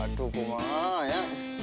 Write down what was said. aduh gimana ya